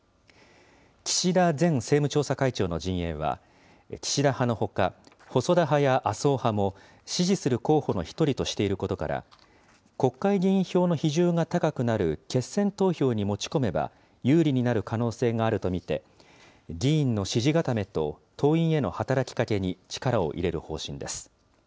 岸田前政務調査会長の陣営は、岸田派のほか、細田派や麻生派も支持する候補の１人としていることから、国会議員票の比重が高くなる決選投票に持ち込めば、有利になる可能性があると見て、議員の支持固めと党員への働きかけに力を入れる方針です。